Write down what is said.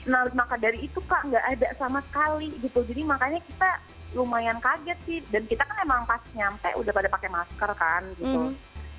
nah maka dari itu kak gak ada sama sekali gitu jadi makanya kita lumayan kaget sih dan kita kan emang pas nyampe udah pada pakai masker kan gitu